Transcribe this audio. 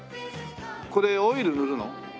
これオイル塗るの？